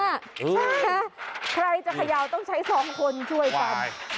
ใช่นะใครจะเขย่าต้องใช้สองคนช่วยกัน